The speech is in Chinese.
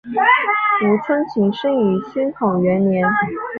吴春晴生于宣统元年。